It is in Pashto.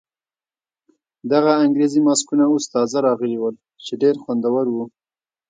دغه انګریزي ماسکونه اوس تازه راغلي ول چې ډېر خوندور وو.